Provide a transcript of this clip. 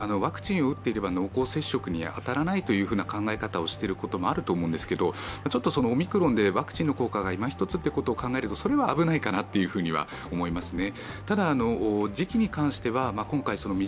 海外ではワクチンを打っていれば濃厚接触に当たらないという考え方をしているということもあると思うんですけどオミクロンでワクチンの効果がいま一つということを考えるとそれは危ないかなと思いますね。